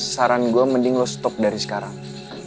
saran gue mending lo stop dari sekarang